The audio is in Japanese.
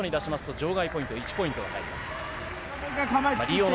外に出すと場外ポイント、１ポイントが入ります。